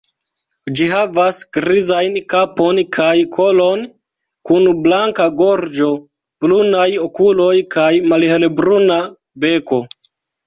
Ĝi havas grizajn kapon kaj kolon, kun blanka gorĝo, brunaj okuloj kaj malhelbruna beko.